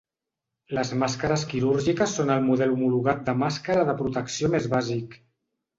Les màscares quirúrgiques són el model homologat de màscara de protecció més bàsic.